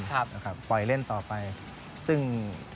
ปล่อยเล่นต่อไปซึ่ง